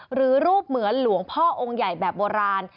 หรือรูปเหมือนหลวงพ่อองค์ใหญ่แบบโบราณ